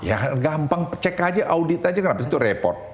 ya gampang cek aja audit aja kenapa itu repot